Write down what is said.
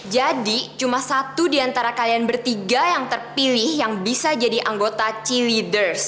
jadi cuma satu diantara kalian bertiga yang terpilih yang bisa jadi anggota chi leaders